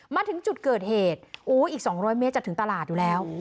มาถึงจุดเกิดเหตุอีก๒๐๐เมตรจะถึงตลาดอยู่แล้ว